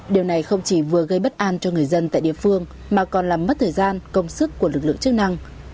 điều này không chỉ vừa gây bất an cho người dân tại địa phương mà còn làm mất thời gian công sức của lực lượng chức năng